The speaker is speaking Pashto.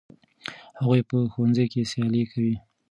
هغوی په ښوونځي کې سیالي کوي.